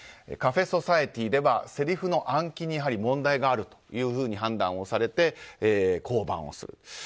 「カフェ・ソサエティ」ではせりふの暗記にやはり問題があるというふうに判断をされて降板する。